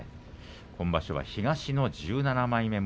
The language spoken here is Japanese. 今場所は東の１７枚目です。